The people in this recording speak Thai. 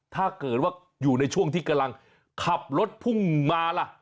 ถ้าเกิดว่าอยู่ในช่วงที่กำลังขับรถพุ่งมาล่ะ